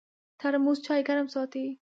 ترموز چای ګرم ساتي.